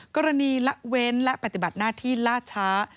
กรณีละเว้นและปฏิบัติหน้าที่ล่าช้า